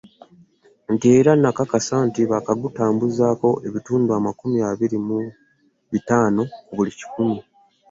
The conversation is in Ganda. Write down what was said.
Nti era n'akakasa nti baakagutambuzaako ebitundu amakumi abiri mu bitaano ku buli kikumi